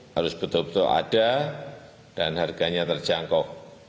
harus betul betul ada dan harganya terjangkau